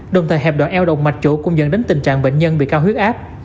đồng thời hẹp đoạn eo động mạch chỗ cũng dẫn đến tình trạng bệnh nhân bị cao huyết áp